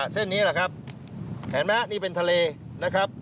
เส้นนี้แหละครับเห็นไหมฮะนี่เป็นทะเลนะครับ